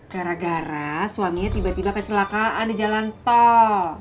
gara gara suaminya tiba tiba kecelakaan di jalan tol